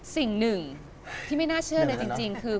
สิ่งหนึ่งที่ไม่น่าเชื่อเลยจริงคือ